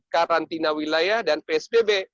karantina wilayah dan psbb